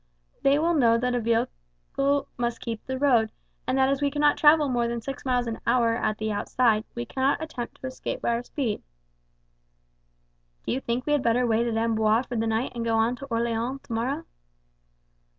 They will know that with a vehicle we must keep the road, and that as we cannot travel more than six miles an hour at the outside, we cannot attempt to escape by our speed." "Do you think we had better wait at Amboise for the night and go on to Orleans tomorrow?"